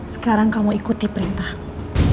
sekarang kamu ikuti perintahku